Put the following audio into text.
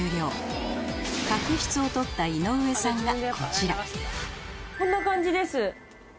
で終了こんな感じです。